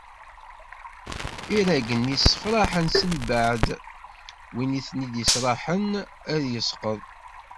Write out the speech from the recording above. Iraggen-is ssefraḥen si lbaɛd win i ten-id-yesraḥen ad yesqeḍ.